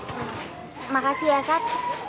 terima kasih ya sat